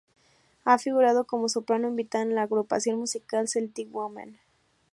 Ha figurado como soprano invitada en la agrupación musical Celtic Woman.